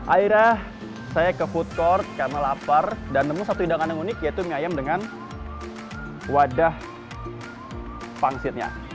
akhirnya saya ke food court karena lapar dan nemu satu hidangan yang unik yaitu mie ayam dengan wadah pangsitnya